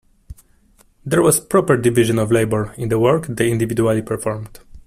There was proper division of labor in the work they individually performed.